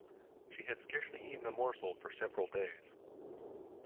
She had scarcely eaten a morsel for several days.